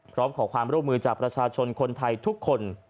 พร้อมขอความร่วมมือจากประชาชนคนไทยทุกคน